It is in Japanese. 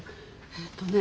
えっとね